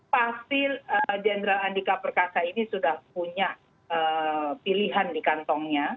pasti jenderal andika perkasa ini sudah punya pilihan di kantongnya